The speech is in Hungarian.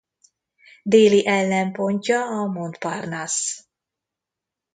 Déli ellenpontja a Montparnasse.